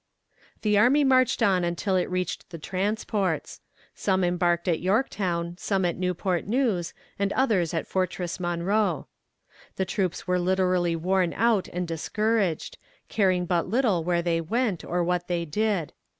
The army marched on until it reached the transports. Some embarked at Yorktown, some at Newport News, and others at Fortress Monroe. The troops were literally worn out and discouraged, caring but little where they went, or what they did.